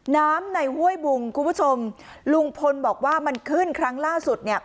น้ำในห้วยบุงคุณผู้ชมลุงพลบอกว่ามันขึ้นครั้งล่าสุดเนี่ย